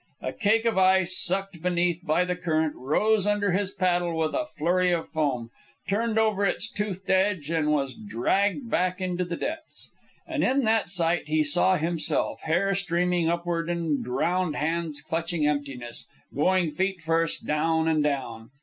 A cake of ice, sucked beneath by the current, rose under his paddle with a flurry of foam, turned over its toothed edge, and was dragged back into the depths. And in that sight he saw himself, hair streaming upward and drowned hands clutching emptiness, going feet first, down and down.